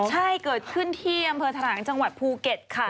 ใช่เกิดขึ้นที่อำเภอถลางจังหวัดภูเก็ตค่ะ